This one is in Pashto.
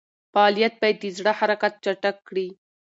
فعالیت باید د زړه حرکت چټک کړي.